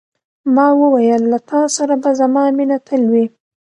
ما وویل، له تا سره به زما مینه تل وي.